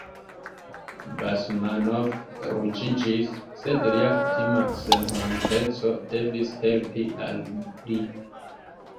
Basmanov ruĝiĝis, sed lia kutima senhonteco devis helpi al li.